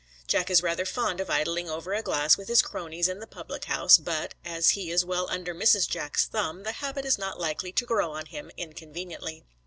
Jack is rather fond of idling over a glass with his cronies in the public house, but, as he is well under Mrs. Jack's thumb, the habit is not likely to grow on him inconveniently.